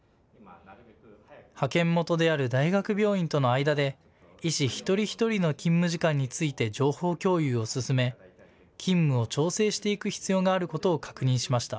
派遣元である大学病院との間で医師一人一人の勤務時間について情報共有を進め勤務を調整していく必要があることを確認しました。